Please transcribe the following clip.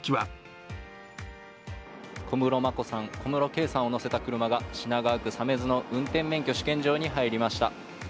小室眞子さん、小室圭さんを乗せた車が品川区鮫洲の運転免許試験場に入りました。